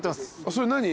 それ何？